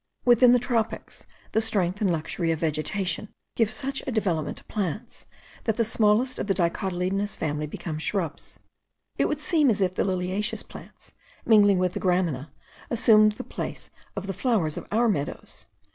Within the tropics, the strength and luxury of vegetation give such a development to plants, that the smallest of the dicotyledonous family become shrubs. It would seem as if the liliaceous plants, mingling with the gramina, assumed the place of the flowers of our meadows.